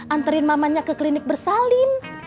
anterin mamanya ke klinik bersalin